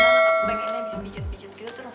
aku pengennya bisa pijit pijit gitu terus